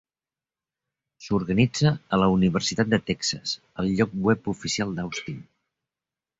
S'organitza a la Universitat de Texas al lloc web oficial d'Austin.